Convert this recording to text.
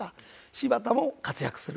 柴田も活躍する。